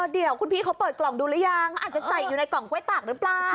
เดี๋ยวคุณพี่เขาเปิดกล่องดูหรือยังอาจจะใส่อยู่ในกล่องกล้วยตากหรือเปล่า